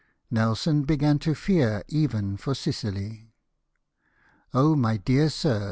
Nelson began to fear even for Sicily. " Oh, my dear sir